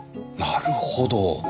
なるほど！